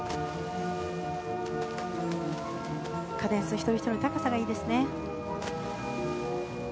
カデンス、一人ひとりの高さいいですね。